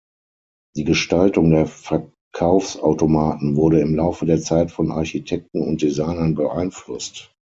Die Gestaltung der Verkaufsautomaten wurde im Laufe der Zeit von Architekten und Designern beeinflusst.